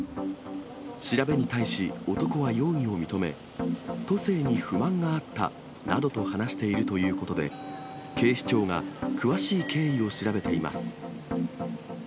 調べに対し男は容疑を認め、都政に不満があったなどと話しているということで、警視庁が詳しい経緯を調べています。